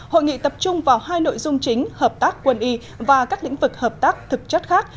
hội nghị tập trung vào hai nội dung chính hợp tác quân y và các lĩnh vực hợp tác thực chất khác